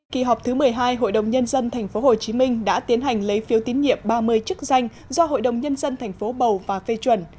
kỳ họp thứ một mươi hai hội đồng nhân dân tp hcm đã tiến hành lấy phiếu tín nhiệm ba mươi chức danh do hội đồng nhân dân tp bầu và phê chuẩn